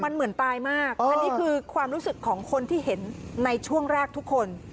มันเหมือนตายมากอันนี้คือความรู้สึกของคนที่เห็นในช่วงแรกทุกคน